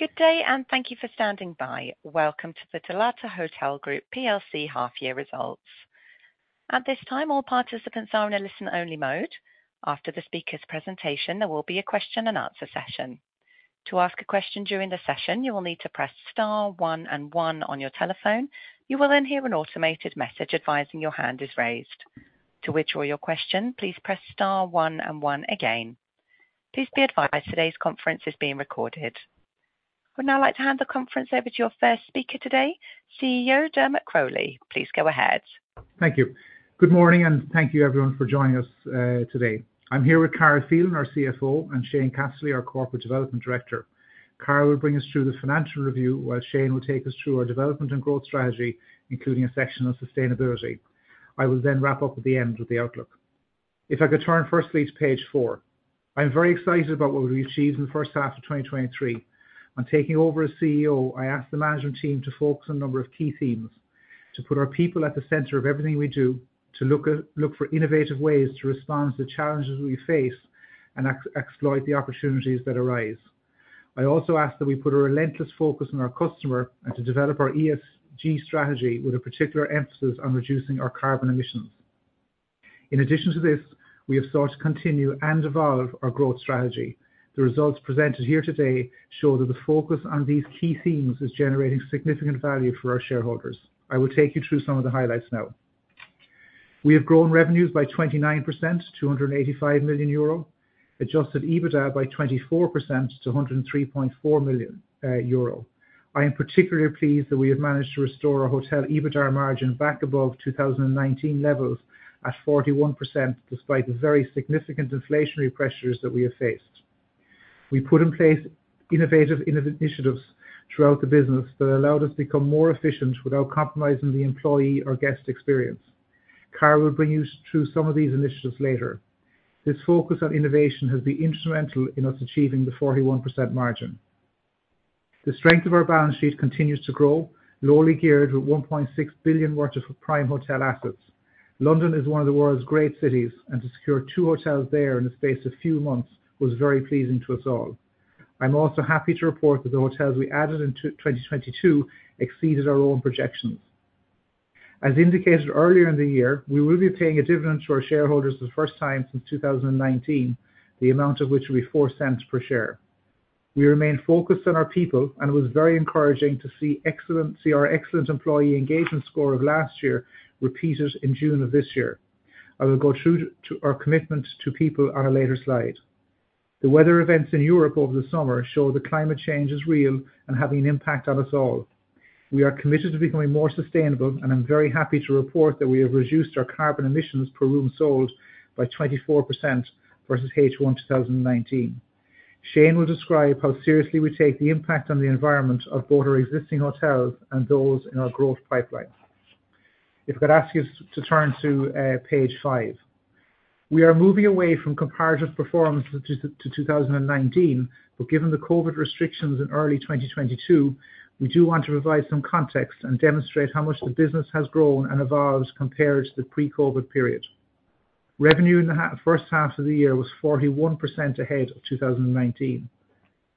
Good day, and thank you for standing by. Welcome to the Dalata Hotel Group PLC half-year results. At this time, all participants are in a listen-only mode. After the speaker's presentation, there will be a question-and-answer session. To ask a question during the session, you will need to press star, one, and one on your telephone. You will then hear an automated message advising your hand is raised. To withdraw your question, please press star, one, and one again. Please be advised today's conference is being recorded. I would now like to hand the conference over to your first speaker today, CEO, Dermot Crowley. Please go ahead. Thank you. Good morning, and thank you everyone for joining us today. I'm here with Carol Phelan, our CFO, and Shane Casserly, our Corporate Development Director. Carol will bring us through the financial review, while Shane will take us through our development and growth strategy, including a section on sustainability. I will then wrap up at the end with the outlook. If I could turn firstly to page 4. I'm very excited about what we've achieved in the first half of 2023. On taking over as CEO, I asked the management team to focus on a number of key themes, to put our people at the center of everything we do, to look for innovative ways to respond to the challenges we face and exploit the opportunities that arise. I also asked that we put a relentless focus on our customer and to develop our ESG strategy with a particular emphasis on reducing our carbon emissions. In addition to this, we have sought to continue and evolve our growth strategy. The results presented here today show that the focus on these key themes is generating significant value for our shareholders. I will take you through some of the highlights now. We have grown revenues by 29% to 285 million euro, Adjusted EBITDA by 24% to 103.4 million euro. I am particularly pleased that we have managed to restore our hotel EBITDA margin back above 2019 levels at 41%, despite the very significant inflationary pressures that we have faced. We put in place innovative initiatives throughout the business that allowed us to become more efficient without compromising the employee or guest experience. Carol will bring you through some of these initiatives later. This focus on innovation has been instrumental in us achieving the 41% margin. The strength of our balance sheet continues to grow, lowly geared with 1.6 billion worth of prime hotel assets. London is one of the world's great cities, and to secure 2 hotels there in the space of a few months was very pleasing to us all. I'm also happy to report that the hotels we added in 2022 exceeded our own projections. As indicated earlier in the year, we will be paying a dividend to our shareholders for the first time since 2019, the amount of which will be 0.04 per share. We remain focused on our people, and it was very encouraging to see our excellent employee engagement score of last year repeated in June of this year. I will go through to our commitment to people on a later slide. The weather events in Europe over the summer show that climate change is real and having an impact on us all. We are committed to becoming more sustainable, and I'm very happy to report that we have reduced our carbon emissions per room sold by 24% versus H1 2019. Shane will describe how seriously we take the impact on the environment of both our existing hotels and those in our growth pipeline. If I could ask you to turn to page five. We are moving away from comparative performance to 2019, but given the COVID restrictions in early 2022, we do want to provide some context and demonstrate how much the business has grown and evolved compared to the pre-COVID period. Revenue in the first half of the year was 41% ahead of 2019.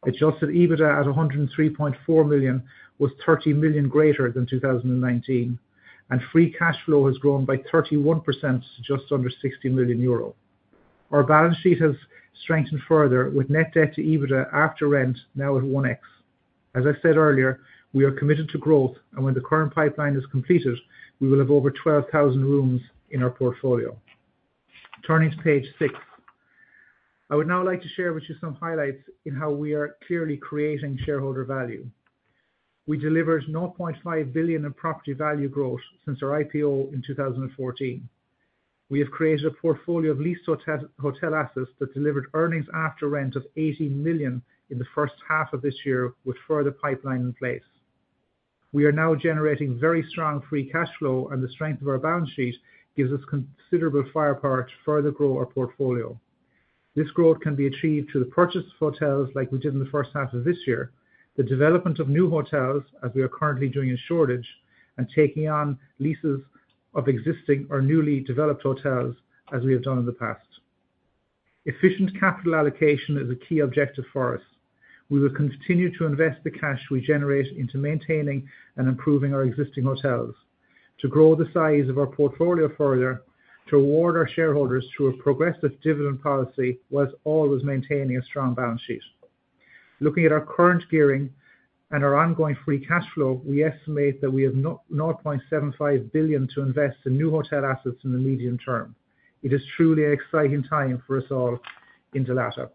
Adjusted EBITDA at 103.4 million was 30 million greater than 2019, and free cash flow has grown by 31% to just under 60 million euro. Our balance sheet has strengthened further, with net debt to EBITDA after rent now at 1x. As I said earlier, we are committed to growth, and when the current pipeline is completed, we will have over 12,000 rooms in our portfolio. Turning to page six. I would now like to share with you some highlights in how we are clearly creating shareholder value. We delivered 0.5 billion in property value growth since our IPO in 2014. We have created a portfolio of leased hotel, hotel assets that delivered earnings after rent of 80 million in the first half of this year, with further pipeline in place. We are now generating very strong free cash flow, and the strength of our balance sheet gives us considerable firepower to further grow our portfolio. This growth can be achieved through the purchase of hotels like we did in the first half of this year, the development of new hotels, as we are currently doing at Shoreditch, and taking on leases of existing or newly developed hotels, as we have done in the past. Efficient capital allocation is a key objective for us. We will continue to invest the cash we generate into maintaining and improving our existing hotels, to grow the size of our portfolio further, to reward our shareholders through a progressive dividend policy, whilst always maintaining a strong balance sheet. Looking at our current gearing and our ongoing free cash flow, we estimate that we have 0.75 billion to invest in new hotel assets in the medium term. It is truly an exciting time for us all in Dalata.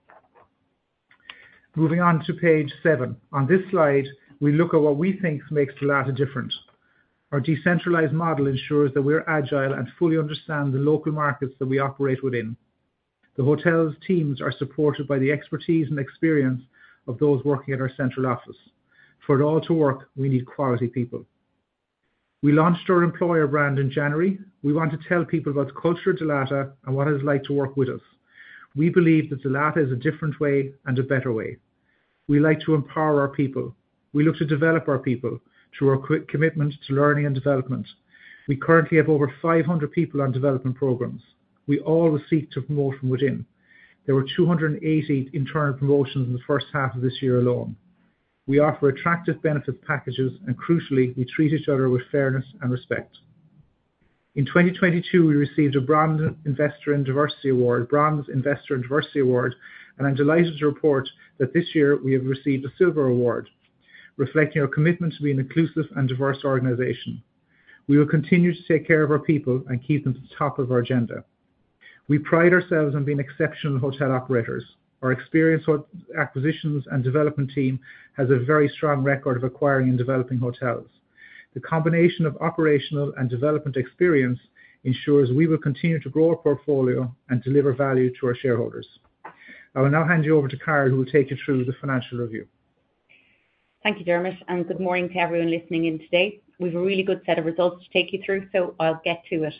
Moving on to page seven. On this slide, we look at what we think makes Dalata different. Our decentralized model ensures that we are agile and fully understand the local markets that we operate within. The hotel's teams are supported by the expertise and experience of those working at our central office. For it all to work, we need quality people. We launched our employer brand in January. We want to tell people about the culture of Dalata and what it's like to work with us. We believe that Dalata is a different way and a better way. We like to empower our people. We look to develop our people through our quick commitment to learning and development. We currently have over 500 people on development programs. We all receive to promotion within. There were 280 internal promotions in the first half of this year alone. We offer attractive benefit packages, and crucially, we treat each other with fairness and respect. In 2022, we received a Bronze Investor in Diversity Award, Brands Investor in Diversity Award, and I'm delighted to report that this year we have received a Silver Award, reflecting our commitment to being an inclusive and diverse organization. We will continue to take care of our people and keep them at the top of our agenda. We pride ourselves on being exceptional hotel operators. Our experienced hotel acquisitions and development team has a very strong record of acquiring and developing hotels. The combination of operational and development experience ensures we will continue to grow our portfolio and deliver value to our shareholders. I will now hand you over to Carol, who will take you through the financial review. Thank you, Dermot, and good morning to everyone listening in today. We've a really good set of results to take you through, so I'll get to it.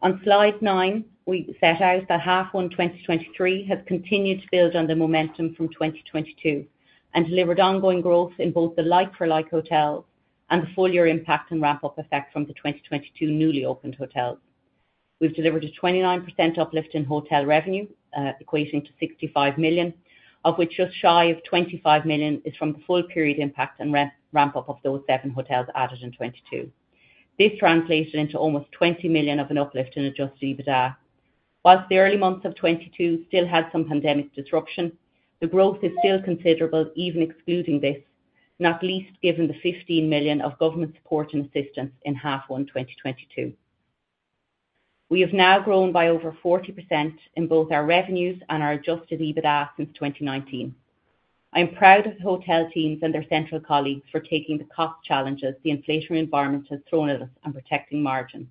On slide nine, we set out that H1 2023 has continued to build on the momentum from 2022 and delivered ongoing growth in both the like-for-like hotels and the full year impact and ramp-up effect from the 2022 newly opened hotels. We've delivered a 29% uplift in hotel revenue, equating to 65 million, of which just shy of 25 million is from the full period impact and ramp-up of those seven hotels added in 2022. This translated into almost 20 million of an uplift in Adjusted EBITDA. While the early months of 2022 still had some pandemic disruption, the growth is still considerable, even excluding this, not least given the 15 million of government support and assistance in H1 2022. We have now grown by over 40% in both our revenues and our Adjusted EBITDA since 2019. I am proud of the hotel teams and their central colleagues for taking the cost challenges the inflationary environment has thrown at us and protecting margin.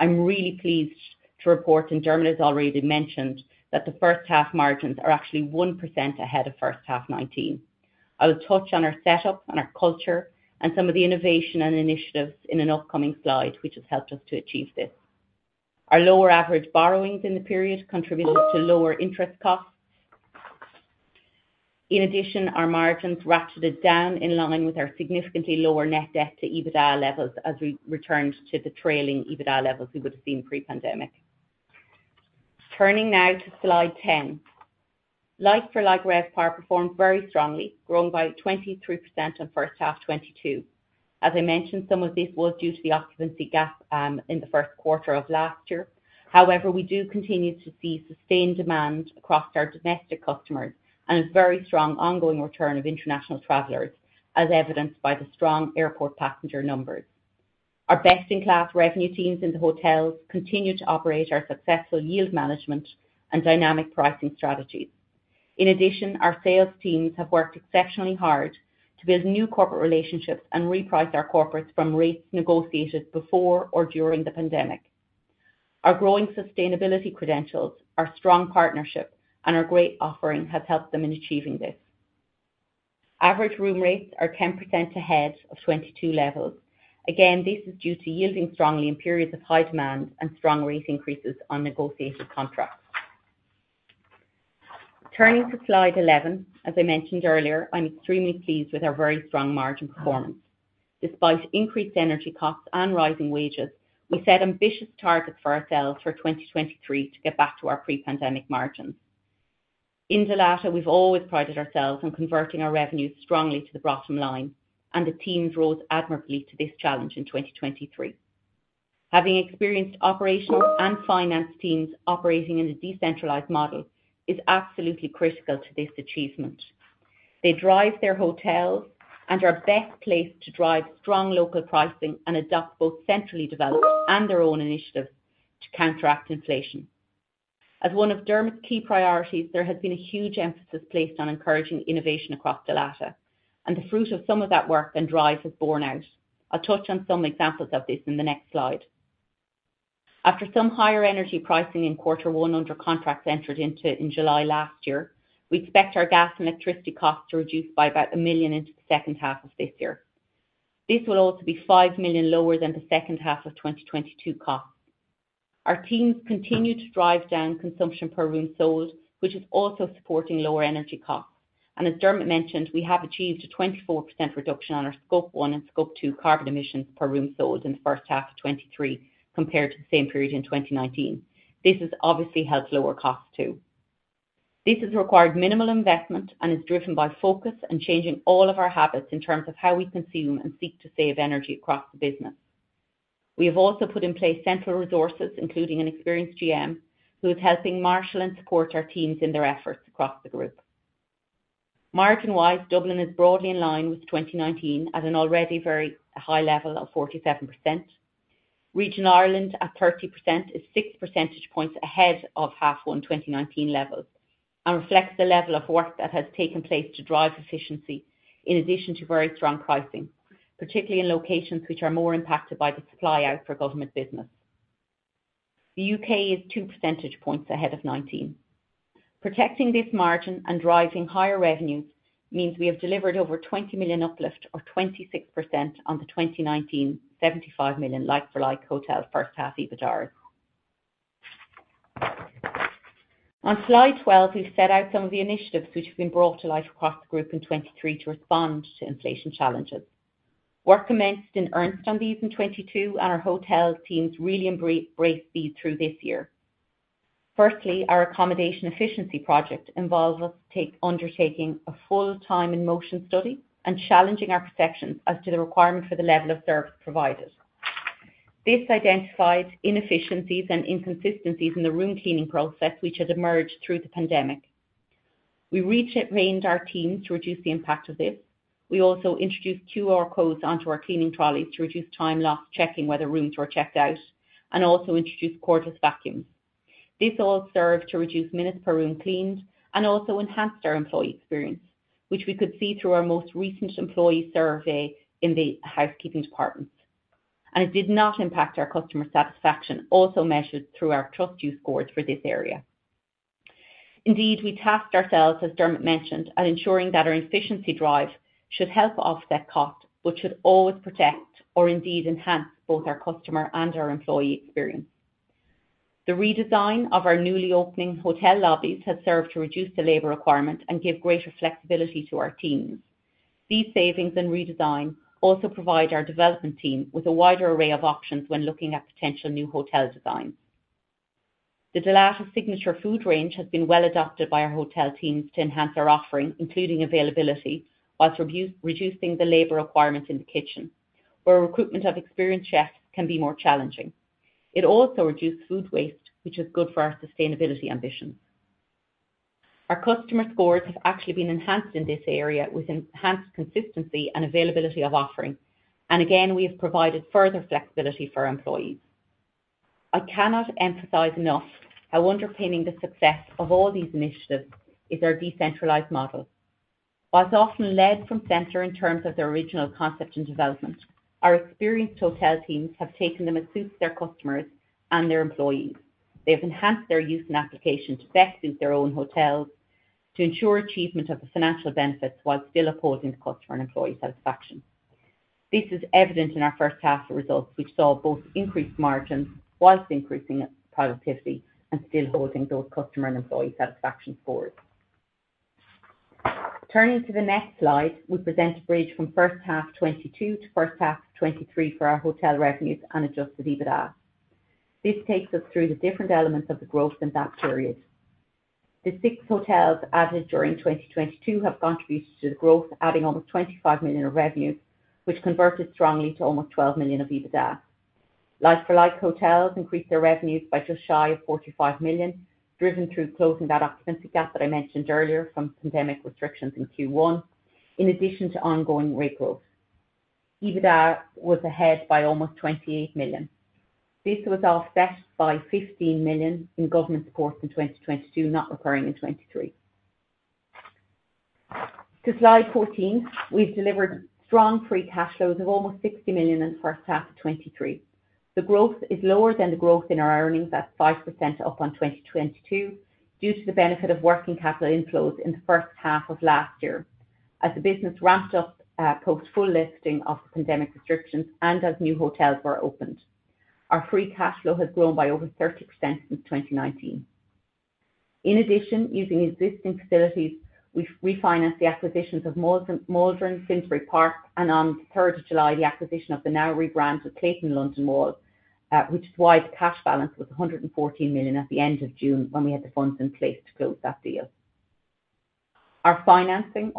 I'm really pleased to report, and Dermot has already mentioned, that the first half margins are actually 1% ahead of first half 2019. I will touch on our setup and our culture and some of the innovation and initiatives in an upcoming slide, which has helped us to achieve this. Our lower average borrowings in the period contributed to lower interest costs. In addition, our margins ratcheted down in line with our significantly lower net debt to EBITDA levels as we returned to the trailing EBITDA levels we would've seen pre-pandemic. Turning now to slide 10. Like-for-like RevPAR performed very strongly, growing by 23% on first half 2022. As I mentioned, some of this was due to the occupancy gap in the first quarter of last year. However, we do continue to see sustained demand across our domestic customers and a very strong ongoing return of international travelers, as evidenced by the strong airport passenger numbers. Our best-in-class revenue teams in the hotels continue to operate our successful yield management and dynamic pricing strategies. In addition, our sales teams have worked exceptionally hard to build new corporate relationships and reprice our corporates from rates negotiated before or during the pandemic. Our growing sustainability credentials, our strong partnership, and our great offering has helped them in achieving this. Average room rates are 10% ahead of 2022 levels. Again, this is due to yielding strongly in periods of high demand and strong rate increases on negotiated contracts. Turning to slide 11, as I mentioned earlier, I'm extremely pleased with our very strong margin performance. Despite increased energy costs and rising wages, we set ambitious targets for ourselves for 2023 to get back to our pre-pandemic margins. In Dalata, we've always prided ourselves on converting our revenues strongly to the bottom line, and the teams rose admirably to this challenge in 2023. Having experienced operational and finance teams operating in a decentralized model is absolutely critical to this achievement. They drive their hotels and are best placed to drive strong local pricing and adopt both centrally developed and their own initiatives to counteract inflation. As one of Dermot's key priorities, there has been a huge emphasis placed on encouraging innovation across Dalata, and the fruit of some of that work and drive has borne out. I'll touch on some examples of this in the next slide. After some higher energy pricing in quarter one, under contracts entered into in July last year, we expect our gas and electricity costs to reduce by about 1 million into the second half of this year. This will also be 5 million lower than the second half of 2022 costs. Our teams continue to drive down consumption per room sold, which is also supporting lower energy costs. As Dermot mentioned, we have achieved a 24% reduction on our Scope 1 and Scope 2 carbon emissions per room sold in the first half of 2023, compared to the same period in 2019. This has obviously helped lower costs, too. This has required minimal investment and is driven by focus and changing all of our habits in terms of how we consume and seek to save energy across the business. We have also put in place central resources, including an experienced GM, who is helping marshal and support our teams in their efforts across the group. Margin-wise, Dublin is broadly in line with 2019 at an already very high level of 47%. The Ireland region, at 30%, is 6 percentage points ahead of H1 2019 levels and reflects the level of work that has taken place to drive efficiency, in addition to very strong pricing, particularly in locations which are more impacted by the supply out for government business. The U.K. is 2 percentage points ahead of 2019. Protecting this margin and driving higher revenues means we have delivered over 20 million uplift or 26% on the 2019 75 million like-for-like hotel first half EBITDA. On slide 12, we've set out some of the initiatives which have been brought to life across the group in 2023 to respond to inflation challenges. Work commenced in earnest on these in 2022, and our hotel teams really embraced these through this year. Firstly, our accommodation efficiency project involves us undertaking a full-time in motion study and challenging our perceptions as to the requirement for the level of service provided. This identified inefficiencies and inconsistencies in the room cleaning process, which had emerged through the pandemic. We retrained our teams to reduce the impact of this. We also introduced QR codes onto our cleaning trolleys to reduce time lost, checking whether rooms were checked out, and also introduced cordless vacuums. This all served to reduce minutes per room cleaned and also enhanced our employee experience, which we could see through our most recent employee survey in the housekeeping department, and it did not impact our customer satisfaction, also measured through our TrustYou scores for this area. Indeed, we tasked ourselves, as Dermot mentioned, at ensuring that our efficiency drive should help offset costs, but should always protect or indeed enhance both our customer and our employee experience. The redesign of our newly opening hotel lobbies has served to reduce the labor requirement and give greater flexibility to our teams. These savings and redesign also provide our development team with a wider array of options when looking at potential new hotel designs. The Dalata signature food range has been well adopted by our hotel teams to enhance our offering, including availability, while reducing the labor requirements in the kitchen, where recruitment of experienced chefs can be more challenging. It also reduced food waste, which is good for our sustainability ambitions. Our customer scores have actually been enhanced in this area, with enhanced consistency and availability of offering. Again, we have provided further flexibility for our employees. I cannot emphasize enough how underpinning the success of all these initiatives is our decentralized model. While it's often led from center in terms of the original concept and development, our experienced hotel teams have taken them and suit their customers and their employees. They have enhanced their use and application to best suit their own hotels, to ensure achievement of the financial benefits while still upholding the customer and employee satisfaction. This is evident in our first half results, which saw both increased margins while increasing productivity and still holding those customer and employee satisfaction scores. Turning to the next slide, we present a bridge from first half 2022 to first half 2023 for our hotel revenues and Adjusted EBITDA. This takes us through the different elements of the growth in that period. The six hotels added during 2022 have contributed to the growth, adding almost 25 million of revenue, which converted strongly to almost 12 million of EBITDA. Like-for-like hotels increased their revenues by just shy of 45 million, driven through closing that occupancy gap that I mentioned earlier from pandemic restrictions in Q1, in addition to ongoing rate growth. EBITDA was ahead by almost 28 million. This was offset by 15 million in government support in 2022, not recurring in 2023. To slide 14, we've delivered strong free cash flows of almost 60 million in the first half of 2023. The growth is lower than the growth in our earnings at 5% up on 2022, due to the benefit of working capital inflows in the first half of last year. As the business ramped up post-full lifting of the pandemic restrictions and as new hotels were opened. Our free cash flow has grown by over 30% since 2019. In addition, using existing facilities, we've refinanced the acquisitions of Maldron Finsbury Park and on the third of July, the acquisition of the now rebranded Clayton London Wall, which is why the cash balance was 114 million at the end of June, when we had the funds in place to close that deal. Our financing,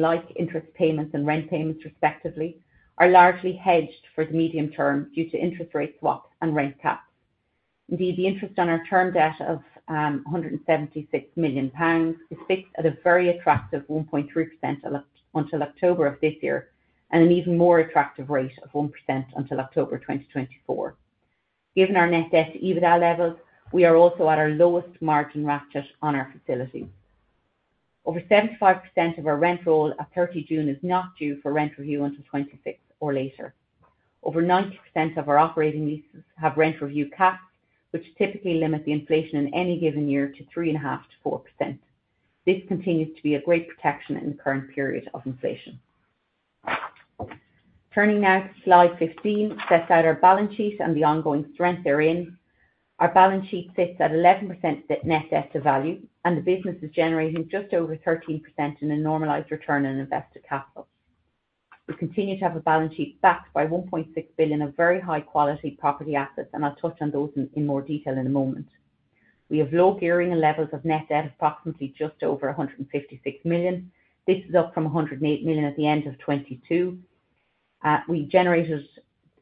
like interest payments and rent payments respectively, are largely hedged for the medium term due to interest rate swaps and rent caps. Indeed, the interest on our term debt of 176 million pounds is fixed at a very attractive 1.3% until October of this year, and an even more attractive rate of 1% until October 2024. Given our net debt to EBITDA levels, we are also at our lowest margin ratchet on our facility. Over 75% of our rent roll at 30 June is not due for rent review until 2026 or later. Over 90% of our operating leases have rent review caps, which typically limit the inflation in any given year to 3.5%-4%. This continues to be a great protection in the current period of inflation. Turning now to slide 15 sets out our balance sheet and the ongoing strength therein. Our balance sheet sits at 11% net debt to value, and the business is generating just over 13% in a normalized return on invested capital. We continue to have a balance sheet backed by 1.6 billion of very high-quality property assets, and I'll touch on those in more detail in a moment. We have low gearing and levels of net debt, approximately just over 156 million. This is up from 108 million at the end of 2022. We generated,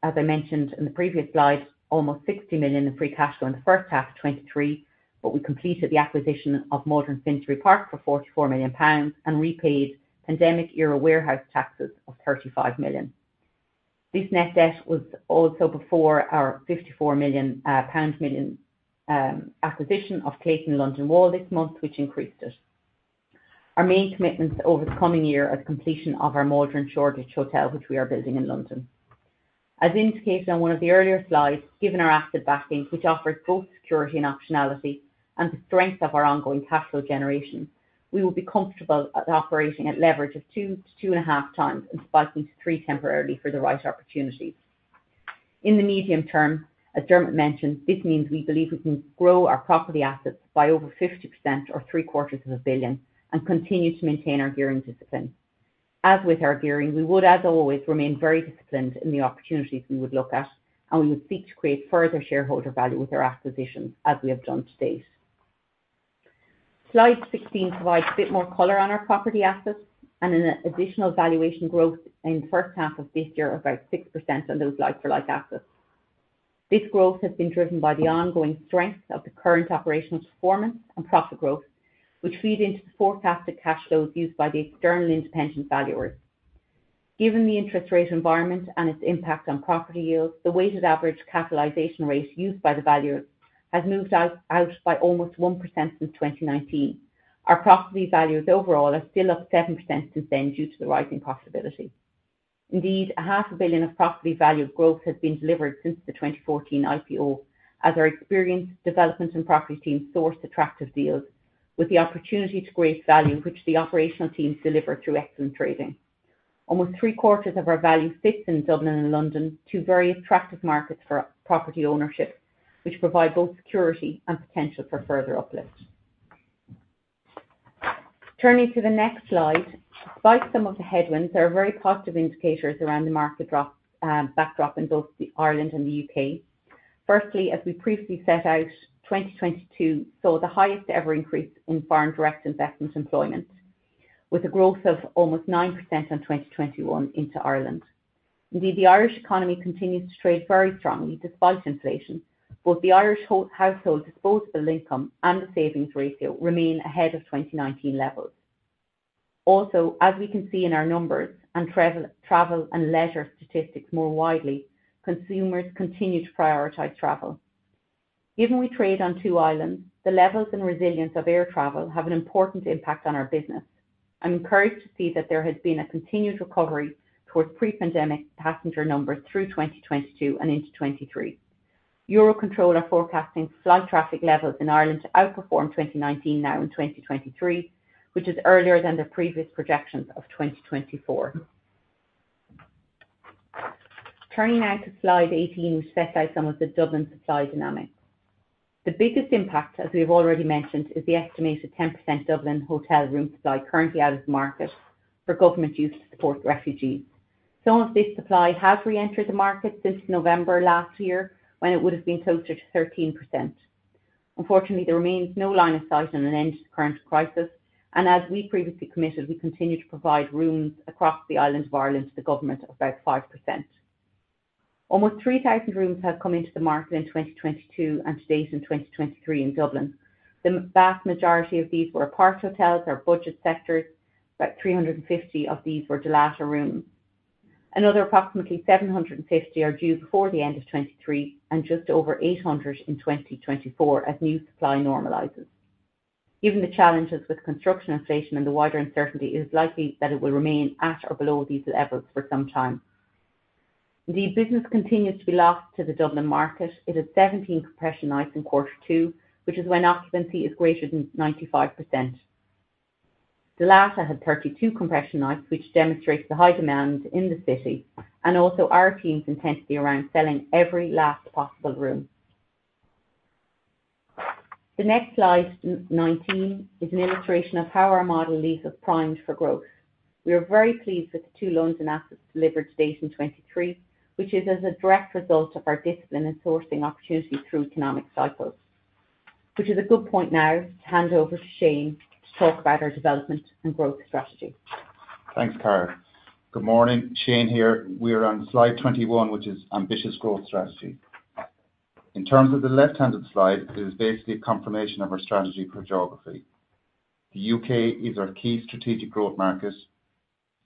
as I mentioned in the previous slide, almost 60 million in free cash flow in the first half of 2023, but we completed the acquisition of Maldron Finsbury Park for 44 million pounds and repaid pandemic-era warehouse taxes of 35 million. This net debt was also before our 54 million pound acquisition of Clayton Hotel London Wall this month, which increased it. Our main commitments over the coming year are the completion of our Maldron Hotel Shoreditch, which we are building in London. As indicated on one of the earlier slides, given our asset backing, which offers both security and optionality and the strength of our ongoing cash flow generation, we will be comfortable operating at leverage of 2x-2.5x, and spiking to 3x temporarily for the right opportunity. In the medium term, as Dermot mentioned, this means we believe we can grow our property assets by over 50% or 3/4 of a billion, and continue to maintain our gearing discipline. As with our gearing, we would, as always, remain very disciplined in the opportunities we would look at, and we would seek to create further shareholder value with our acquisitions, as we have done to date. Slide 16 provides a bit more color on our property assets and an additional valuation growth in the first half of this year, about 6% on those like-for-like assets. This growth has been driven by the ongoing strength of the current operational performance and profit growth, which feed into the forecasted cash flows used by the external independent valuers. Given the interest rate environment and its impact on property yields, the weighted average capitalization rate used by the valuers has moved out by almost 1% since 2019. Our property values overall are still up 7% since then, due to the rising profitability. Indeed, 500 million of property value growth has been delivered since the 2014 IPO, as our experienced development and property team sourced attractive deals with the opportunity to create value, which the operational teams delivered through excellent trading. Almost three quarters of our value sits in Dublin and London, two very attractive markets for property ownership, which provide both security and potential for further uplift. Turning to the next slide. Despite some of the headwinds, there are very positive indicators around the market backdrop in both Ireland and the U.K.. Firstly, as we previously set out, 2022 saw the highest ever increase in foreign direct investment employment, with a growth of almost 9% on 2021 into Ireland. Indeed, the Irish economy continues to trade very strongly despite inflation. Both the Irish household disposable income and the savings ratio remain ahead of 2019 levels. Also, as we can see in our numbers and travel, travel and leisure statistics more widely, consumers continue to prioritize travel. Given we trade on two islands, the levels and resilience of air travel have an important impact on our business. I'm encouraged to see that there has been a continued recovery towards pre-pandemic passenger numbers through 2022 and into 2023. Eurocontrol are forecasting flight traffic levels in Ireland to outperform 2019 now in 2023, which is earlier than their previous projections of 2024. Turning now to slide 18, we set out some of the Dublin supply dynamics. The biggest impact, as we've already mentioned, is the estimated 10% Dublin hotel room supply currently out of the market for government use to support refugees. Some of this supply has reentered the market since November last year, when it would've been closer to 13%. Unfortunately, there remains no line of sight on an end to the current crisis, and as we previously committed, we continue to provide rooms across the island of Ireland to the government, about 5%. Almost 3,000 rooms have come into the market in 2022 and to date in 2023 in Dublin. The vast majority of these were aparthotels or budget sectors. About 350 of these were Dalata rooms. Another approximately 750 are due before the end of 2023, and just over 800 in 2024 as new supply normalizes. Given the challenges with construction inflation and the wider uncertainty, it is likely that it will remain at or below these levels for some time. The business continues to be lost to the Dublin market. It has 17 compression nights in quarter two, which is when occupancy is greater than 95%. Dalata had 32 compression nights, which demonstrates the high demand in the city and also our team's intensity around selling every last possible room. The next slide, 19, is an illustration of how our model lease is primed for growth. We are very pleased with the two new assets delivered to date in 2023, which is as a direct result of our discipline in sourcing opportunities through economic cycles. Which is a good point now to hand over to Shane to talk about our development and growth strategy. Thanks, Carol. Good morning, Shane here. We are on slide 21, which is; Ambitious Growth Strategy. In terms of the left-handed slide, it is basically a confirmation of our strategy for geography. The U.K. is our key strategic growth market.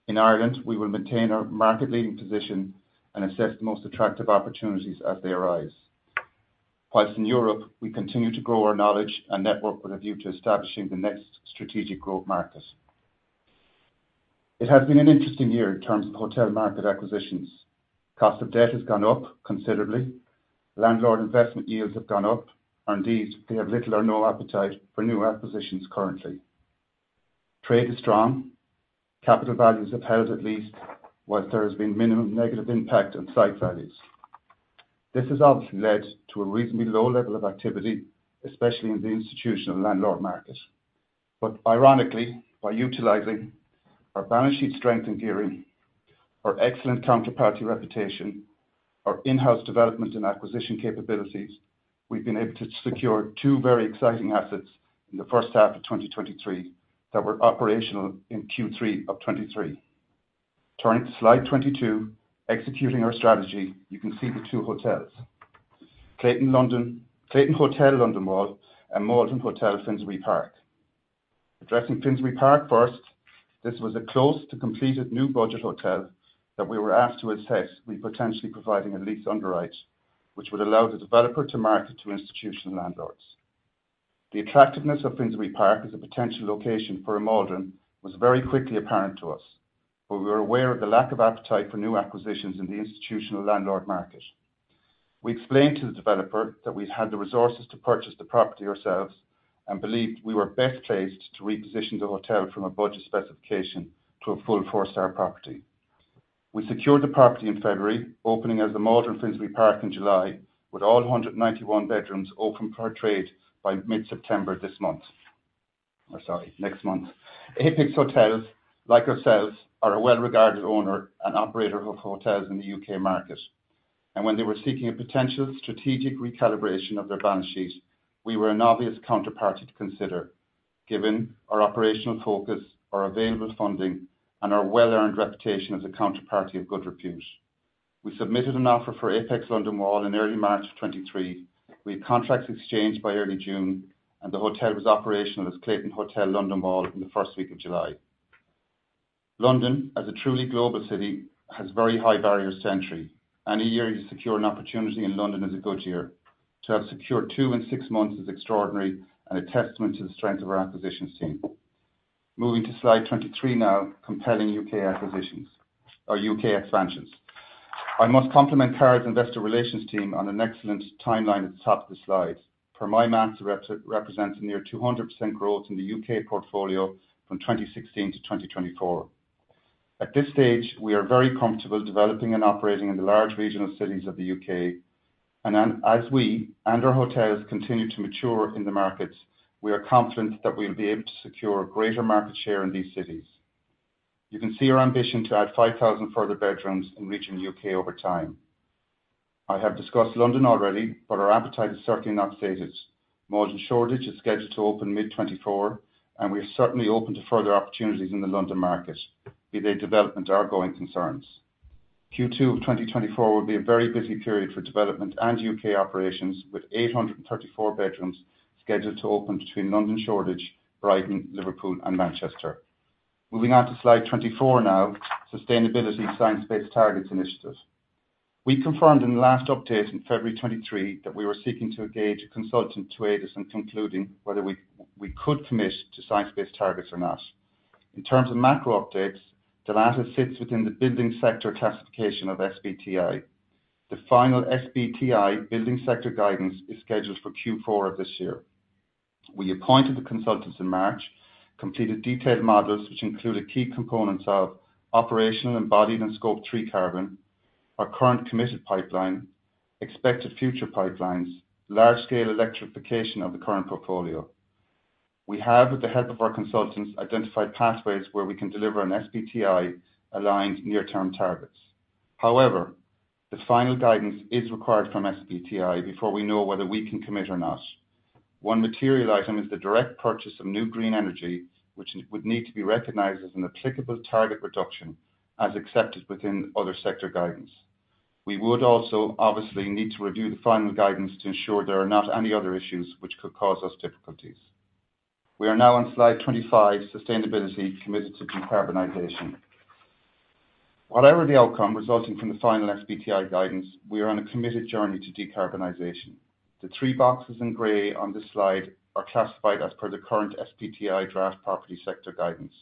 In Ireland, we will maintain our market-leading position and assess the most attractive opportunities as they arise. Whilst in Europe, we continue to grow our knowledge and network with a view to establishing the next strategic growth markets. It has been an interesting year in terms of hotel market acquisitions. Cost of debt has gone up considerably. Landlord investment yields have gone up, and indeed, they have little or no appetite for new acquisitions currently. Trade is strong. Capital values have held at least, whilst there has been minimum negative impact on site values. This has obviously led to a reasonably low level of activity, especially in the institutional landlord market. But ironically, by utilizing our balance sheet strength and gearing, our excellent counterparty reputation, our in-house development and acquisition capabilities, we've been able to secure two very exciting assets in the first half of 2023, that were operational in Q3 of 2023. Turning to Slide 22, executing our strategy, you can see the two hotels. Clayton Hotel London Wall and Maldron Hotel Finsbury Park. Addressing Finsbury Park first, this was a close to completed new budget hotel that we were asked to assess, we potentially providing a lease underwrite, which would allow the developer to market to institutional landlords. The attractiveness of Finsbury Park as a potential location for a Maldron was very quickly apparent to us, but we were aware of the lack of appetite for new acquisitions in the institutional landlord market. We explained to the developer that we had the resources to purchase the property ourselves, and believed we were best placed to reposition the hotel from a budget specification to a full four-star property. We secured the property in February, opening as the Maldron Finsbury Park in July, with all 191 bedrooms open for trade by mid-September this month. Or sorry, next month. Apex Hotels, like ourselves, are a well-regarded owner and operator of hotels in the U.K. market, and when they were seeking a potential strategic recalibration of their balance sheet, we were an obvious counterparty to consider, given our operational focus, our available funding, and our well-earned reputation as a counterparty of good repute. We submitted an offer for Apex London Wall in early March of 2023. We had contracts exchanged by early June, and the hotel was operational as Clayton Hotel London Wall in the first week of July. London, as a truly global city, has very high barriers to entry, and a year to secure an opportunity in London is a good year. To have secured two in six months is extraordinary and a testament to the strength of our acquisitions team. Moving to slide 23 now, compelling U.K. acquisitions or U.K. expansions. I must compliment Carol's Investor Relations team on an excellent timeline at the top of the slide. Per my math, represents a near 200% growth in the U.K. portfolio from 2016 to 2024. At this stage, we are very comfortable developing and operating in the large regional cities of the U.K., and then as we and our hotels continue to mature in the markets, we are confident that we'll be able to secure greater market share in these cities. You can see our ambition to add 5,000 further bedrooms in regional U.K. over time. I have discussed London already, but our appetite is certainly not sated. Maldron Shoreditch is scheduled to open mid-2024, and we are certainly open to further opportunities in the London market, be they development or ongoing concerns. Q2 of 2024 will be a very busy period for development and UK operations, with 834 bedrooms scheduled to open between London Shoreditch, Brighton, Liverpool and Manchester. Moving on to slide 24 now, sustainability, science-based targets, initiatives. We confirmed in the last update in February 2023 that we were seeking to engage a consultant to aid us in concluding whether we could commit to science-based targets or not. In terms of macro updates, Dalata sits within the building sector classification of SBTi. The final SBTi building sector guidance is scheduled for Q4 of this year. We appointed the consultants in March, completed detailed models, which included key components of operational, embodied, and Scope 3 carbon, our current committed pipeline, expected future pipelines, large-scale electrification of the current portfolio. We have, with the help of our consultants, identified pathways where we can deliver an SBTi-aligned near-term targets. However, the final guidance is required from SBTi before we know whether we can commit or not. One material item is the direct purchase of new green energy, which would need to be recognized as an applicable target reduction, as accepted within other sector guidance. We would also obviously need to review the final guidance to ensure there are not any other issues which could cause us difficulties. We are now on slide 25, sustainability: committed to decarbonization. Whatever the outcome resulting from the final SBTi guidance, we are on a committed journey to decarbonization. The three boxes in gray on this slide are classified as per the current SBTi draft property sector guidance.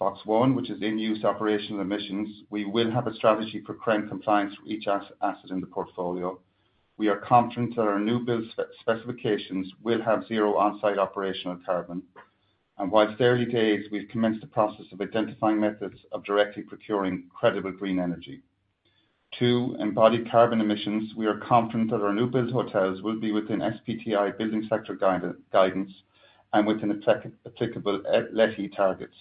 Box one, which is in-use operational emissions, we will have a strategy for current compliance for each asset in the portfolio. We are confident that our new build specifications will have zero on-site operational carbon, and whilst early days, we've commenced the process of identifying methods of directly procuring credible green energy. Two, embodied carbon emissions, we are confident that our new build hotels will be within SBTi building sector guidance and within applicable LETI targets.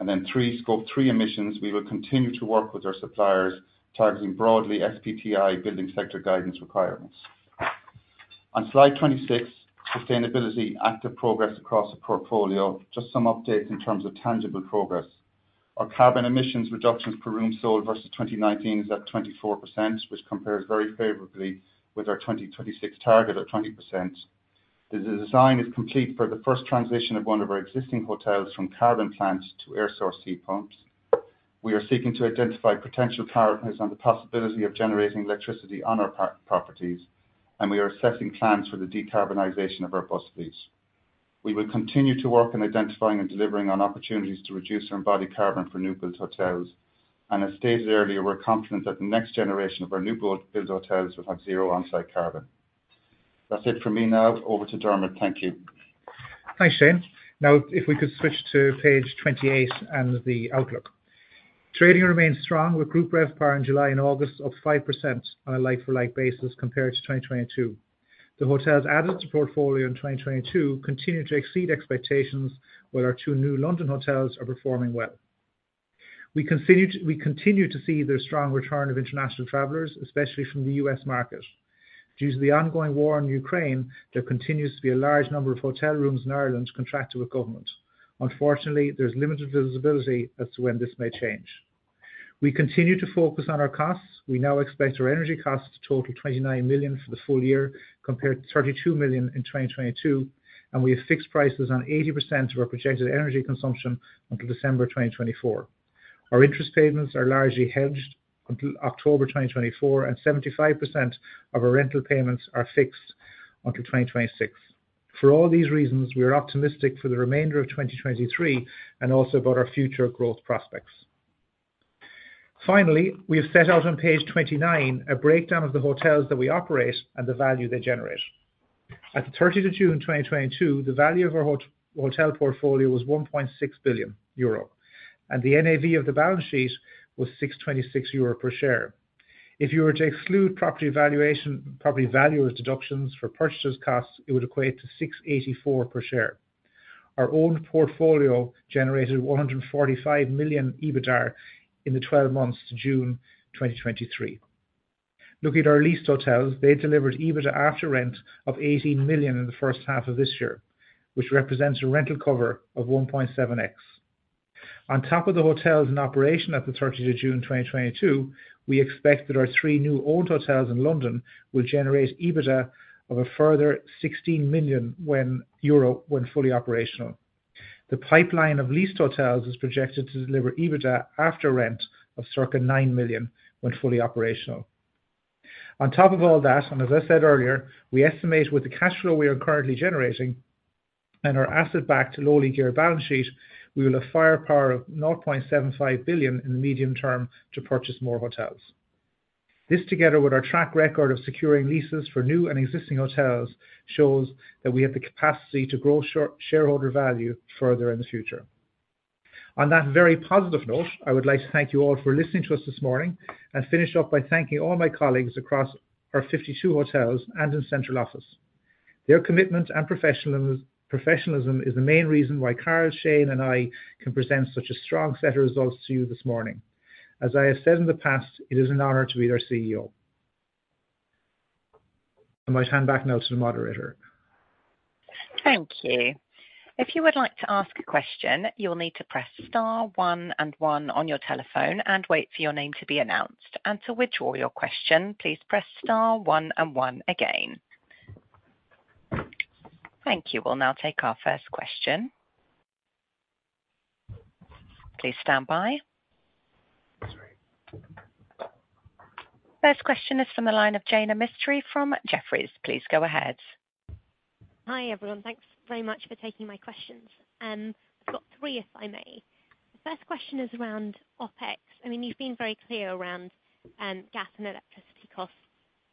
And then three, Scope 3 emissions, we will continue to work with our suppliers, targeting broadly SBTi building sector guidance requirements. On slide 26, sustainability, active progress across the portfolio. Just some updates in terms of tangible progress. Our carbon emissions reductions per room sold versus 2019 is at 24%, which compares very favorably with our 2026 target of 20%. The design is complete for the first transition of one of our existing hotels from carbon plants to air source heat pumps. We are seeking to identify potential partners on the possibility of generating electricity on our properties, and we are assessing plans for the decarbonization of our bus fleets. We will continue to work on identifying and delivering on opportunities to reduce our embodied carbon for new build hotels. And as stated earlier, we're confident that the next generation of our new build, build hotels will have zero on-site carbon. That's it for me now. Over to Dermot. Thank you. Thanks, Shane. Now, if we could switch to page 28 and the outlook. Trading remains strong with group RevPAR in July and August up 5% on a like-for-like basis compared to 2022. The hotels added to portfolio in 2022 continue to exceed expectations, while our two new London hotels are performing well. We continue to see the strong return of international travelers, especially from the U.S. market. Due to the ongoing war in Ukraine, there continues to be a large number of hotel rooms in Ireland contracted with government. Unfortunately, there's limited visibility as to when this may change. We continue to focus on our costs. We now expect our energy costs to total 29 million for the full year, compared to 32 million in 2022, and we have fixed prices on 80% of our projected energy consumption until December 2024. Our interest payments are largely hedged until October 2024, and 75% of our rental payments are fixed until 2026. For all these reasons, we are optimistic for the remainder of 2023 and also about our future growth prospects. Finally, we have set out on page 29, a breakdown of the hotels that we operate and the value they generate. At 30 June 2022, the value of our hotel portfolio was 1.6 billion euro, and the NAV of the balance sheet was 626 euro per share. If you were to exclude property valuation, property valuers deductions for purchases costs, it would equate to 684 per share. Our owned portfolio generated 145 million EBITDA in the 12 months to June 2023. Looking at our leased hotels, they delivered EBITDA after rent of 18 million in the first half of this year, which represents a rental cover of 1.7x. On top of the hotels in operation at the 30th of June 2022, we expect that our three new owned hotels in London will generate EBITDA of a further 16 million euro when fully operational. The pipeline of leased hotels is projected to deliver EBITDA after rent of circa 9 million, when fully operational. On top of all that, and as I said earlier, we estimate with the cash flow we are currently generating and our asset-backed, lowly geared balance sheet, we will have firepower of 0.75 billion in the medium term to purchase more hotels. This, together with our track record of securing leases for new and existing hotels, shows that we have the capacity to grow shareholder value further in the future. On that very positive note, I would like to thank you all for listening to us this morning and finish off by thanking all my colleagues across our 52 hotels and in central office. Their commitment and professionalism is the main reason why Carol, Shane, and I can present such a strong set of results to you this morning. As I have said in the past, it is an honor to be their CEO. I might hand back now to the moderator. Thank you. If you would like to ask a question, you will need to press star one and one on your telephone and wait for your name to be announced. To withdraw your question, please press star one and one again. Thank you. We'll now take our first question. Please stand by. First question is from the line of Jaina Mistry from Jefferies. Please go ahead. Hi, everyone. Thanks very much for taking my questions. I've got three, if I may. The first question is around OpEx. I mean, you've been very clear around, gas and electricity costs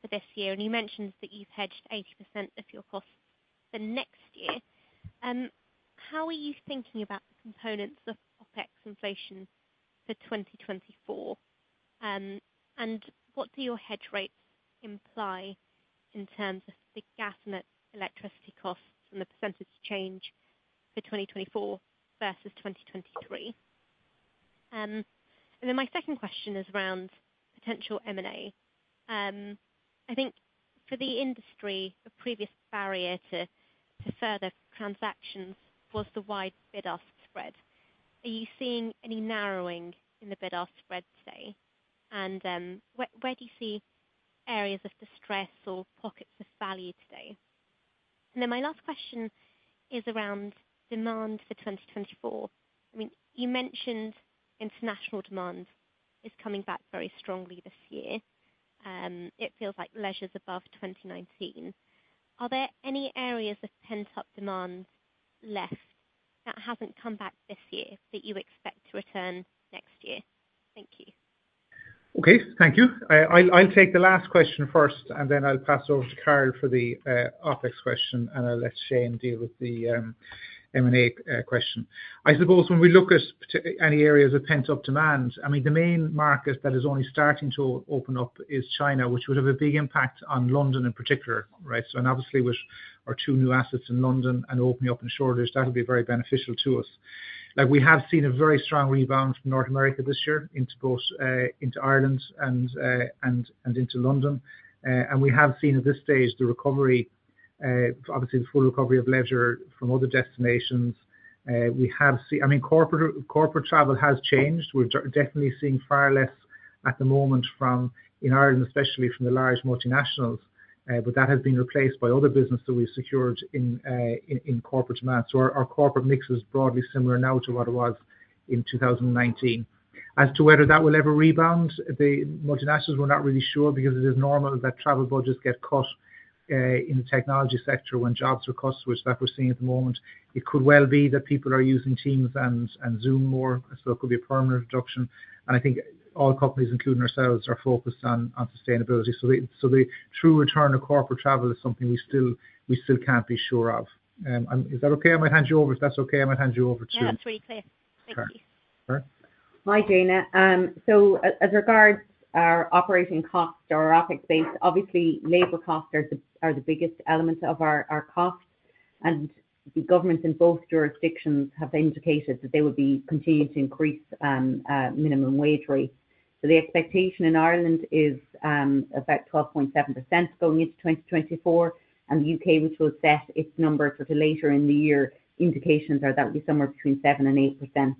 for this year, and you mentioned that you've hedged 80% of your costs for next year. How are you thinking about the components of OpEx inflation for 2024? And what do your hedge rates imply in terms of the gas and electricity costs and the percentage change for 2024 versus 2023? And then my second question is around potential M&A. I think for the industry, the previous barrier to, to further transactions was the wide bid-ask spread. Are you seeing any narrowing in the bid-ask spread today? And, where, where do you see areas of distress or pockets of value today? Then my last question is around demand for 2024. I mean, you mentioned international demand is coming back very strongly this year. It feels like leisure's above 2019. Are there any areas of pent-up demand left that hasn't come back this year, that you expect to return next year? Thank you. Okay. Thank you. I'll take the last question first, and then I'll pass over to Carol for the OpEx question, and I'll let Shane deal with the M&A question. I suppose when we look at particularly any areas of pent-up demand, I mean, the main market that is only starting to open up is China, which would have a big impact on London in particular, right? And obviously with our two new assets in London and opening up in Shoreditch, that'll be very beneficial to us. Now, we have seen a very strong rebound from North America this year into both Ireland and London. And we have seen at this stage the recovery, obviously the full recovery of leisure from other destinations. I mean, corporate travel has changed. We're definitely seeing far less at the moment from, in Ireland, especially from the large multinationals, but that has been replaced by other business that we've secured in, in corporate demand. So our corporate mix is broadly similar now to what it was in 2019. As to whether that will ever rebound, the multinationals, we're not really sure, because it is normal that travel budgets get cut, in the technology sector when jobs are cut, which we're seeing at the moment. It could well be that people are using Teams and Zoom more, so it could be a permanent reduction. And I think all companies, including ourselves, are focused on sustainability. So the true return of corporate travel is something we still can't be sure of. And is that okay? I might hand you over. If that's okay, I might hand you over to- Yeah, that's very clear. Thank you. Carol? Hi, Jaina. So as regards our operating costs or our OpEx base, obviously, labor costs are the biggest elements of our costs, and the governments in both jurisdictions have indicated that they would be continuing to increase minimum wage rate. So the expectation in Ireland is about 12.7% going into 2024, and the U.K., which will assess its numbers until later in the year, indications are that will be somewhere between 7%-8%.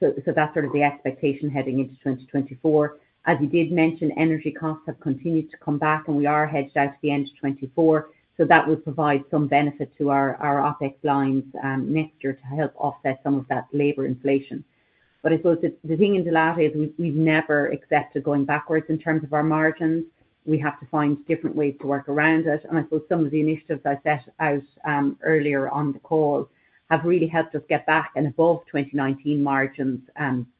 So that's sort of the expectation heading into 2024. As you did mention, energy costs have continued to come back, and we are hedged out to the end of 2024, so that will provide some benefit to our OpEx lines next year to help offset some of that labor inflation. But I suppose the thing in Dalata is we've never accepted going backwards in terms of our margins. We have to find different ways to work around it, and I suppose some of the initiatives I set out earlier on the call have really helped us get back and above 2019 margins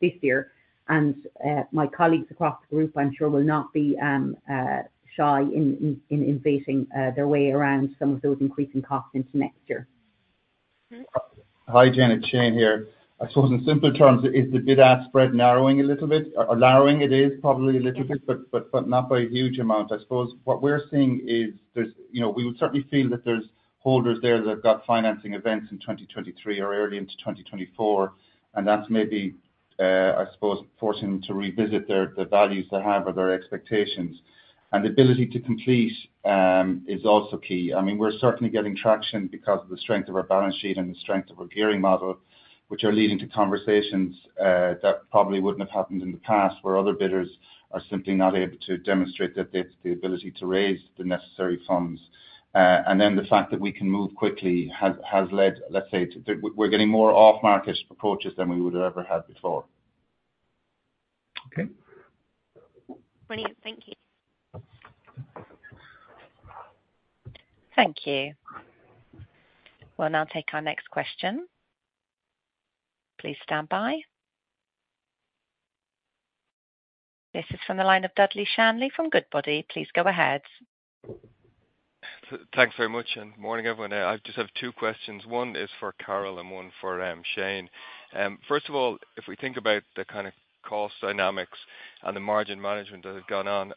this year. My colleagues across the group, I'm sure, will not be shy in innovating their way around some of those increasing costs into next year. Hi, Jaina, Shane here. I suppose in simpler terms, is the bid-ask spread narrowing a little bit? Or is it narrowing a little bit, but not by a huge amount. I suppose what we're seeing is there's, you know, we would certainly feel that there's holders there that have got financing events in 2023 or early into 2024, and that's maybe, I suppose forcing them to revisit their, the values they have or their expectations. And the ability to complete is also key. I mean, we're certainly getting traction because of the strength of our balance sheet and the strength of our gearing model, which are leading to conversations that probably wouldn't have happened in the past, where other bidders are simply not able to demonstrate the ability to raise the necessary funds. And then the fact that we can move quickly has led, let's say, to we're getting more off-market approaches than we would have ever had before. Brilliant. Thank you. Thank you. We'll now take our next question. Please stand by. This is from the line of Dudley Shanley from Goodbody. Please go ahead. Thanks very much, and good morning, everyone. I just have two questions. One is for Carol and one for Shane. First of all, if we think about the kind of cost dynamics and the margin management that has gone on,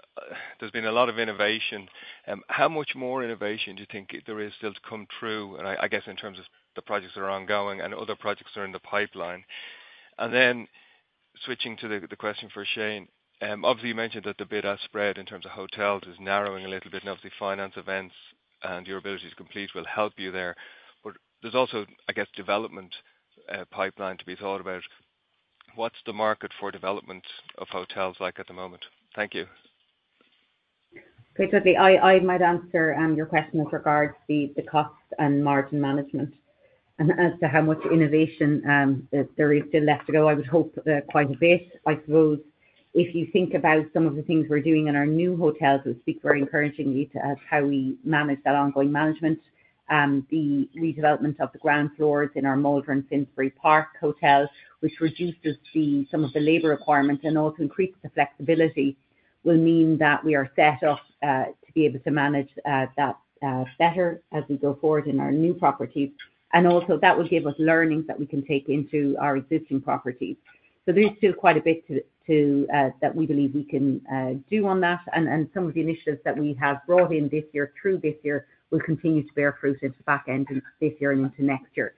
there's been a lot of innovation. How much more innovation do you think there is still to come through? And I guess in terms of the projects that are ongoing and other projects that are in the pipeline. And then switching to the question for Shane, obviously, you mentioned that the bid-ask spread in terms of hotels is narrowing a little bit, and obviously, finance events and your ability to complete will help you there. But there's also, I guess, development pipeline to be thought about. What's the market for development of hotels like at the moment? Thank you. Okay, Dudley, I might answer your question with regards to the costs and margin management. And as to how much innovation there is still left to go, I would hope quite a bit. I suppose if you think about some of the things we're doing in our new hotels, would speak very encouragingly to how we manage that ongoing management. The redevelopment of the ground floors in our Maldron Finsbury Park hotels, which reduces some of the labor requirements and also increases the flexibility, will mean that we are set up to be able to manage that better as we go forward in our new properties. And also, that will give us learnings that we can take into our existing properties. So there's still quite a bit to that we believe we can do on that. And some of the initiatives that we have brought in this year, through this year, will continue to bear fruit into the back end in this year and into next year.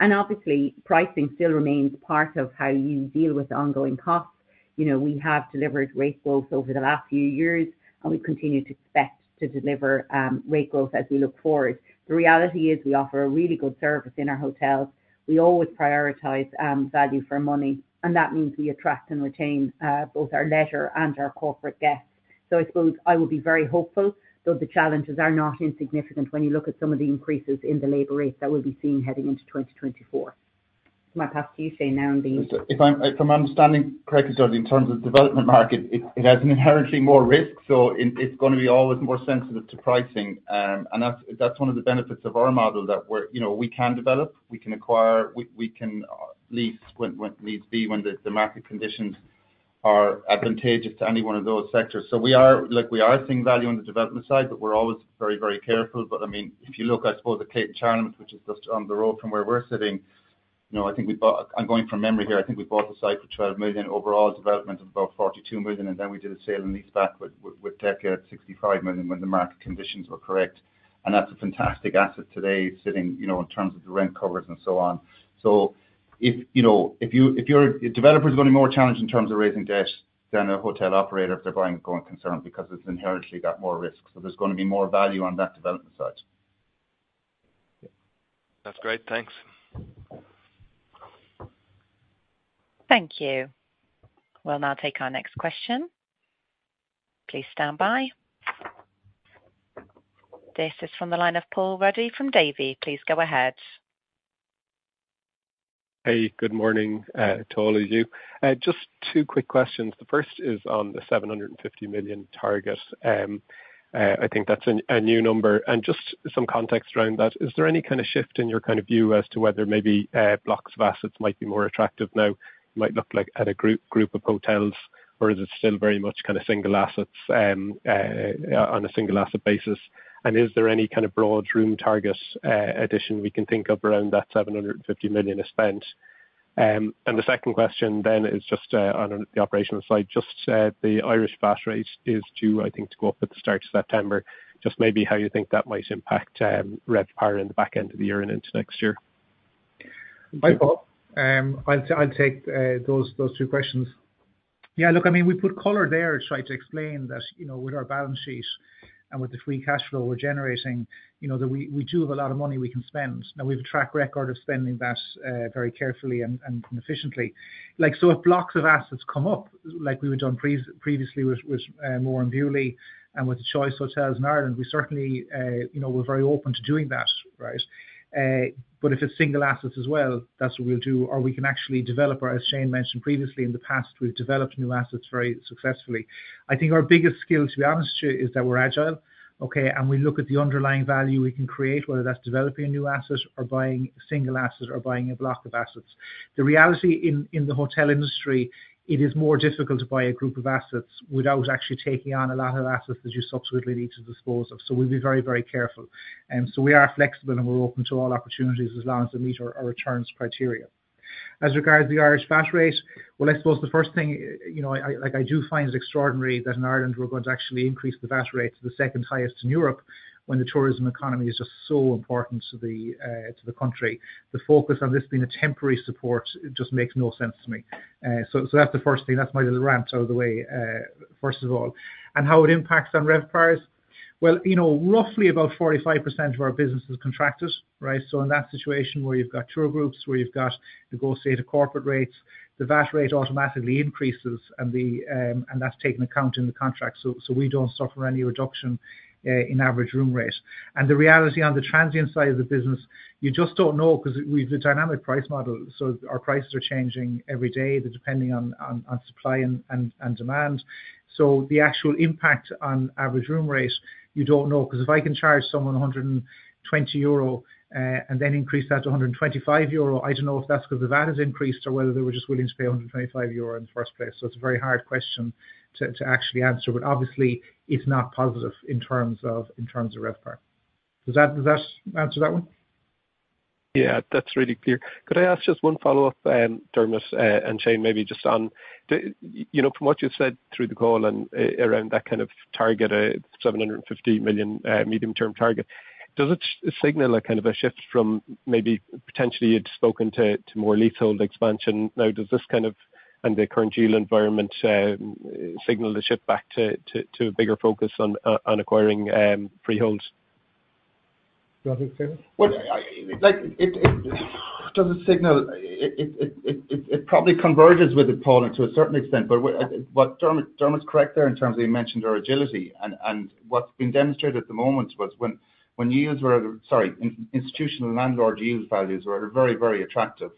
And obviously, pricing still remains part of how you deal with ongoing costs. You know, we have delivered rate growth over the last few years, and we continue to expect to deliver rate growth as we look forward. The reality is we offer a really good service in our hotels. We always prioritize value for money, and that means we attract and retain both our leisure and our corporate guests. So I suppose I would be very hopeful, though the challenges are not insignificant when you look at some of the increases in the labor rates that we'll be seeing heading into 2024. My pass to you, Shane, now on the- If I'm understanding correctly, Dudley, in terms of development market, it has an inherently more risk, so it's gonna be always more sensitive to pricing. And that's one of the benefits of our model, that we're, you know, we can develop, we can acquire, we can lease when needs be, when the market conditions are advantageous to any one of those sectors. So we are like, we are seeing value on the development side, but we're always very, very careful. But, I mean, if you look, I suppose, at Charlemont, which is just down the road from where we're sitting, you know, I think we bought- I'm going from memory here. I think we bought the site for 12 million. Overall development of about 42 million, and then we did a sale and leaseback with Deka at 65 million when the market conditions were correct. And that's a fantastic asset today, sitting, you know, in terms of the rent covers and so on. So if, you know, a developer is going to be more challenged in terms of raising debt than a hotel operator, if they're going concern, because it's inherently got more risk. So there's going to be more value on that development side. That's great. Thanks. Thank you. We'll now take our next question. Please stand by. This is from the line of Paul Ruddy from Davy. Please go ahead. Hey, good morning to all of you. Just two quick questions. The first is on the 750 million target. I think that's a new number. And just some context around that, is there any kind of shift in your kind of view as to whether maybe blocks of assets might be more attractive now, might look like at a group of hotels, or is it still very much kind of single assets on a single asset basis? And is there any kind of broad room targets addition we can think of around that 750 million spent? And the second question then is just on the operational side, just the Irish VAT rate is due, I think, to go up at the start of September. Just maybe how you think that might impact RevPAR in the back end of the year and into next year? Hi, Paul. I'll take those two questions. Yeah, look, I mean, we put color there to try to explain that, you know, with our balance sheet and with the free cash flow we're generating, you know, that we do have a lot of money we can spend. Now, we have a track record of spending that very carefully and efficiently. Like, so if blocks of assets come up, like we were done previously with Moran and Bewley's and with Choice Hotels in Ireland, we certainly, you know, we're very open to doing that, right? But if it's single assets as well, that's what we'll do, or we can actually develop, or as Shane mentioned previously, in the past, we've developed new assets very successfully. I think our biggest skill, to be honest to you, is that we're agile, okay? And we look at the underlying value we can create, whether that's developing a new asset or buying a single asset or buying a block of assets. The reality in the hotel industry, it is more difficult to buy a group of assets without actually taking on a lot of assets that you subsequently need to dispose of. So we'll be very, very careful. And so we are flexible, and we're open to all opportunities as long as they meet our returns criteria. As regards to the Irish VAT rate, well, I suppose the first thing, you know, I, like, I do find it extraordinary that in Ireland we're going to actually increase the VAT rate to the second highest in Europe when the tourism economy is just so important to the country. The focus on this being a temporary support, it just makes no sense to me. That's the first thing. That's my little rant out of the way, first of all. And how it impacts on RevPAR? Well, you know, roughly about 45% of our business is contractors, right? So in that situation where you've got tour groups, where you've got negotiated corporate rates, the VAT rate automatically increases, and that's taken account in the contract. So we don't suffer any reduction in average room rate. The reality on the transient side of the business, you just don't know because we've a dynamic price model. So our prices are changing every day, depending on supply and demand. So the actual impact on average room rate, you don't know, because if I can charge someone 120 euro and then increase that to 125 euro, I don't know if that's because the VAT has increased or whether they were just willing to pay 125 euro in the first place. So it's a very hard question to actually answer, but obviously, it's not positive in terms of RevPAR. Does that answer that one? Yeah, that's really clear. Could I ask just one follow-up, Dermot, and Shane, maybe just on—do, you know, from what you've said through the call and around that kind of target, 750 million, medium-term target, does it signal a kind of a shift from maybe potentially you'd spoken to, to more leasehold expansion? Now, does this kind of, and the current yield environment, signal the shift back to, to a bigger focus on, on acquiring, freeholds? Do you want to take this? Well, like it does it signal? It probably converges with the problem to a certain extent, but Dermot's correct there in terms of he mentioned our agility and what's been demonstrated at the moment was when yields were, sorry, institutional landlord yield values were at a very, very attractive,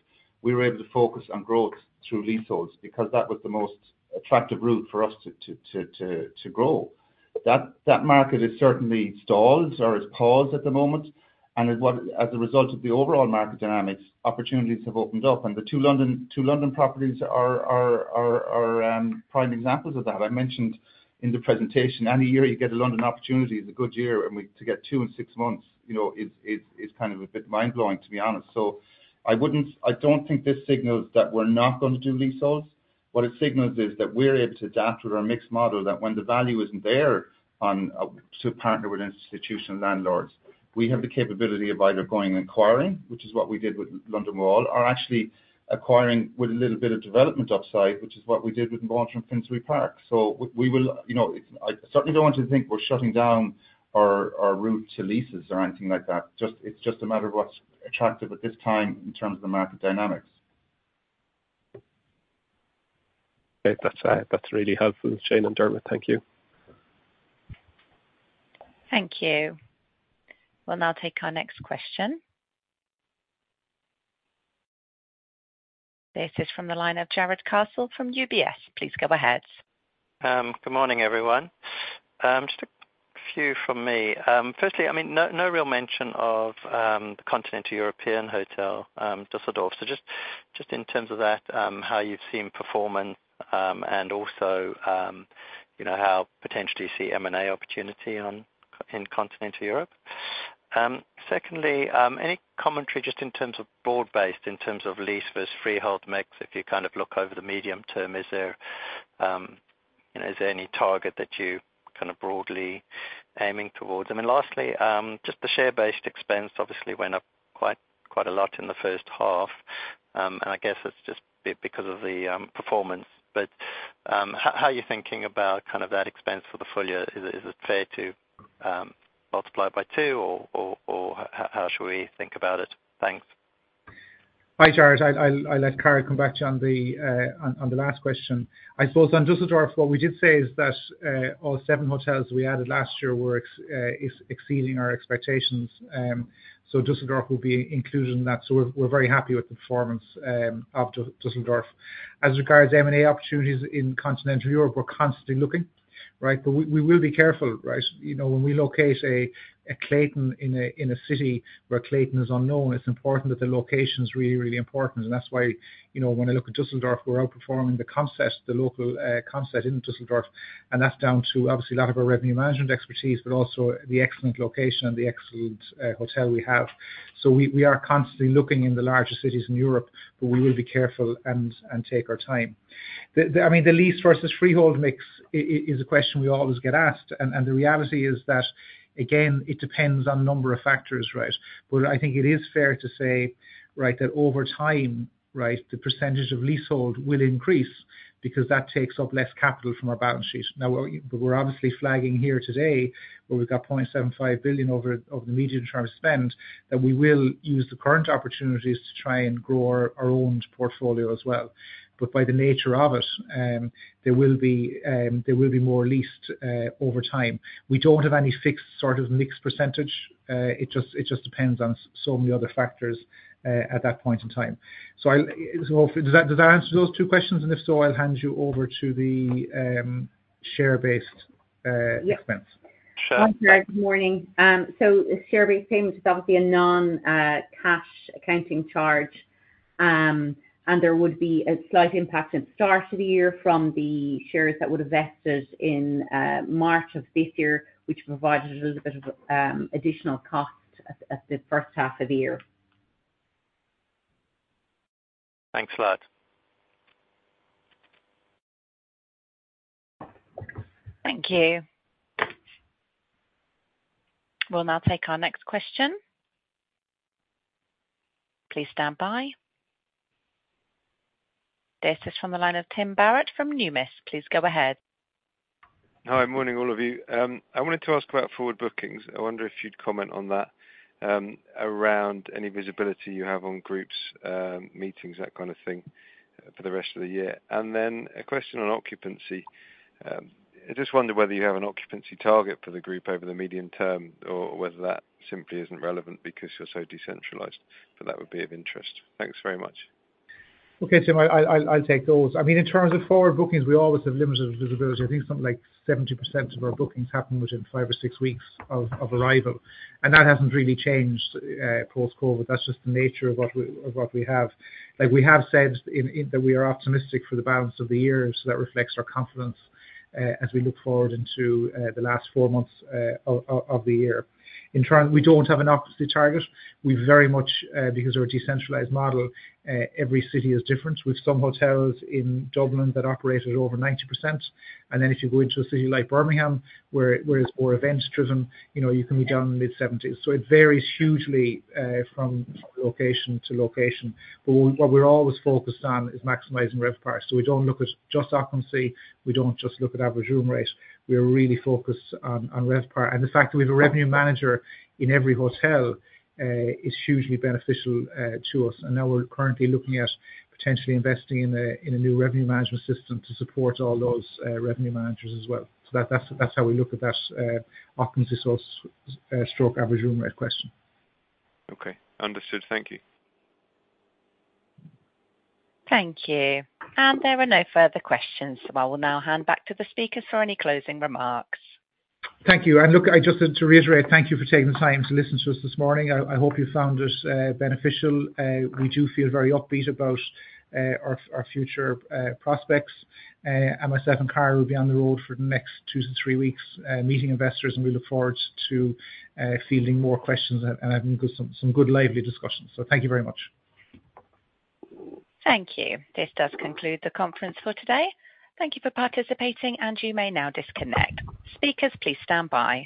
we were able to focus on growth through leaseholds because that was the most attractive route for us to grow. That market has certainly stalled or has paused at the moment, and as a result of the overall market dynamics, opportunities have opened up, and the two London properties are prime examples of that. I mentioned in the presentation, any year you get a London opportunity is a good year, and we, to get two in six months, you know, is kind of a bit mind-blowing, to be honest. So I wouldn't—I don't think this signals that we're not going to do leaseholds. What it signals is that we're able to adapt with our mixed model, that when the value isn't there on to partner with institutional landlords, we have the capability of either going and acquiring, which is what we did with London Wall, or actually acquiring with a little bit of development upside, which is what we did with Maldron Finsbury Park. So we will, you know, I certainly don't want you to think we're shutting down our, our route to leases or anything like that. Just, it's just a matter of what's attractive at this time in terms of the market dynamics. Okay. That's, that's really helpful, Shane and Dermot. Thank you. Thank you. We'll now take our next question. This is from the line of Jarrod Castle from UBS. Please go ahead. Good morning, everyone. Just a few from me. Firstly, I mean, no, no real mention of the Continental European hotel, Düsseldorf. So just, just in terms of that, how you've seen performance, and also, you know, how potentially you see M&A opportunity on, in continental Europe. Secondly, any commentary just in terms of broad-based, in terms of lease versus freehold mix, if you kind of look over the medium term, is there, you know, is there any target that you kind of broadly aiming towards? And then lastly, just the share-based expense obviously went up quite, quite a lot in the first half. And I guess it's just because of the performance. But, how are you thinking about kind of that expense for the full year? Is it fair to multiply it by two, or how should we think about it? Thanks. Hi, Jared. I'll let Carol come back to you on the last question. I suppose on Düsseldorf, what we did say is that all seven hotels we added last year were exceeding our expectations. So Düsseldorf will be included in that. So we're very happy with the performance of Düsseldorf. As regards to M&A opportunities in continental Europe, we're constantly looking, right? But we will be careful, right? You know, when we locate a Clayton in a city where Clayton is unknown, it's important that the location's really, really important. And that's why, you know, when I look at Düsseldorf, we're outperforming the concept, the local, concept in Düsseldorf, and that's down to obviously a lot of our revenue management expertise, but also the excellent location and the excellent, hotel we have. So we are constantly looking in the larger cities in Europe, but we will be careful and take our time. I mean, the lease versus freehold mix is a question we always get asked, and the reality is that, again, it depends on a number of factors, right? But I think it is fair to say, right, that over time, right, the percentage of leasehold will increase because that takes up less capital from our balance sheet. Now, we're but we're obviously flagging here today, where we've got 0.75 billion over of the medium-term spend, that we will use the current opportunities to try and grow our owned portfolio as well. But by the nature of it, there will be more leased over time. We don't have any fixed sort of mixed percentage. It just depends on so many other factors at that point in time. So does that, did I answer those two questions? And if so, I'll hand you over to the share-based expense. Sure. Hi, good morning. So the share-based payment is obviously a non-cash accounting charge. And there would be a slight impact in the start of the year from the shares that would have vested in March of this year, which provided a little bit of additional cost at the first half of the year. Thanks a lot. Thank you. We'll now take our next question. Please stand by. This is from the line of Tim Barrett from Numis. Please go ahead. Hi, morning, all of you. I wanted to ask about forward bookings. I wonder if you'd comment on that, around any visibility you have on groups, meetings, that kind of thing, for the rest of the year. And then a question on occupancy. I just wonder whether you have an occupancy target for the group over the medium term, or whether that simply isn't relevant because you're so decentralized, but that would be of interest. Thanks very much. Okay, Tim, I'll take those. I mean, in terms of forward bookings, we always have limited visibility. I think something like 70% of our bookings happen within five or six weeks of arrival, and that hasn't really changed post-COVID. That's just the nature of what we have. Like we have said, that we are optimistic for the balance of the year, so that reflects our confidence as we look forward into the last four months of the year. In terms—We don't have an occupancy target. We very much, because we're a decentralized model, every city is different. We've some hotels in Dublin that operate at over 90%, and then if you go into a city like Birmingham, where it's more events driven, you know, you can be down in the mid-70%s. So it varies hugely from location to location. But what we're always focused on is maximizing RevPAR. So we don't look at just occupancy, we don't just look at average room rate. We are really focused on RevPAR. And the fact that we have a revenue manager in every hotel is hugely beneficial to us. And now we're currently looking at potentially investing in a new revenue management system to support all those revenue managers as well. So that's how we look at that occupancy source stroke average room rate question. Okay, understood. Thank you. Thank you. There are no further questions, so I will now hand back to the speakers for any closing remarks. Thank you. And look, I just want to reiterate, thank you for taking the time to listen to us this morning. I hope you found this beneficial. We do feel very upbeat about our future prospects. And myself and Carol will be on the road for the next 2 weeks-3 weeks, meeting investors, and we look forward to fielding more questions and having some good lively discussions. So thank you very much. Thank you. This does conclude the conference for today. Thank you for participating, and you may now disconnect. Speakers, please stand by.